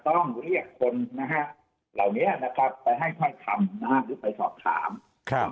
ต้องมีพยายามบังคัญอะไรนะครับเพราะถึงเป็นเรื่องที่คุณสร้างคุณรู้แล้วนะครับ